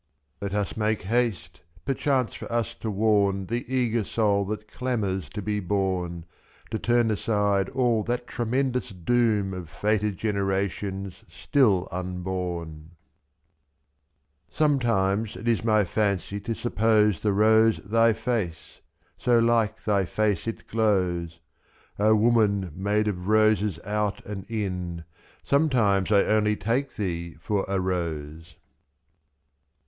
Let us make haste, perchance for us to warn The eager soul that clamours to be born, I'f^To turn aside all that tremendous doom Of fated generations still unborn. 64 Sometimes tt is my fancy to suppose The rose thy face — so like thy face it glows; / w. O woman made of roses out and in^ Sometimes I only take thee for a rose.